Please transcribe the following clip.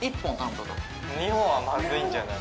２本はまずいんじゃない？